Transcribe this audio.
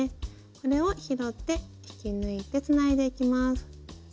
これを拾って引き抜いてつないでいきます。